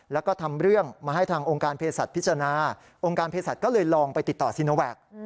แล้วก็ทำเรื่องมาให้ทางองค์การเพศสัตว์พิจารณาองค์การเพศสัตว์ก็เลยลองไปติดต่อซีโนแวค